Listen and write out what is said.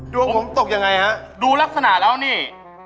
ดวงผมตกยังไงฮะดูลักษณะแล้วนี่